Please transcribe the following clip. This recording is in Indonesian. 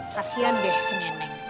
kasian deh si nenek